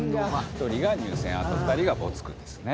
１人が入選あと２人が没句ですね。